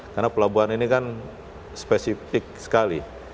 karena pelabuhan ini kan spesifik sekali